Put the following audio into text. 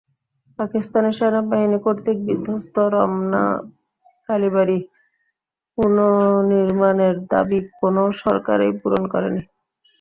পাকিস্তানি সেনাবাহিনী কর্তৃক বিধ্বস্ত রমনা কালীবাড়ি পুনর্নির্মাণের দাবি কোনো সরকারই পূরণ করেনি।